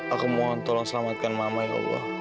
aku mohon tolong selamatkan mama ya allah